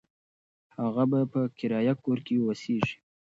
هغه به په کرایه کور کې اوسیږي.